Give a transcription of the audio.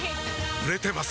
売れてます